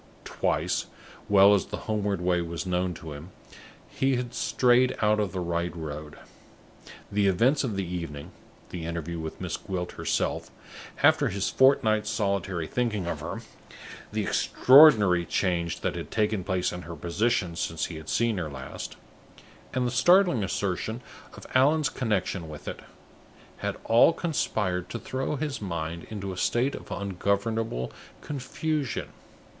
Twice, well as the homeward way was known to him, he had strayed out of the right road. The events of the evening the interview with Miss Gwilt herself, after his fortnight's solitary thinking of her; the extraordinary change that had taken place in her position since he had seen her last; and the startling assertion of Allan's connection with it had all conspired to throw his mind into a state of ungovernable confusion.